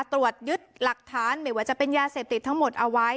ตรวจยึดหลักฐานไม่ว่าจะเป็นยาเสพติดทั้งหมดเอาไว้